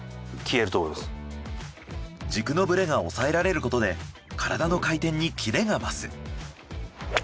軸のブレが抑えられることで体の回転にキレが増す。